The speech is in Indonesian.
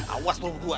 awas tuh gua ya